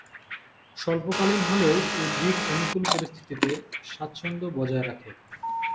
স্বল্প-কালীন হলেও উদ্ভিদ অনুকূল পরিস্থিতিতে স্বাচ্ছন্দ্য বজায় রাখে।